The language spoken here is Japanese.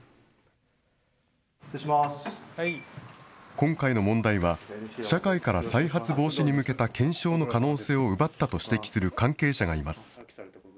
今回の問題は、社会から再発防止に向けた検証の可能性を奪ったと指摘する関係者がいます。